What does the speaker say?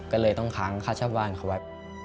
ก็เลยต้องค้างค่าเช่าบ้านเขาไว้